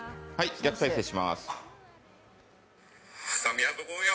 逆再生します。